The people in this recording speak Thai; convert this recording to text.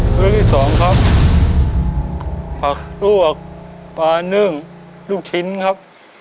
เรื่องที่สองครับผักลวกปลานึ่งลูกชิ้นครับ